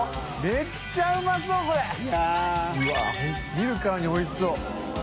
見るからにおいしそう。